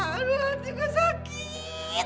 haru hati gue sakit